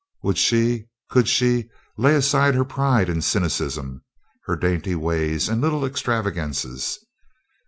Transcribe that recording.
Would she, could she, lay aside her pride and cynicism, her dainty ways and little extravagances?